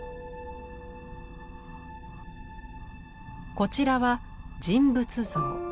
こちらは人物像。